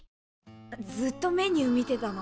ずっとメニュー見てたの？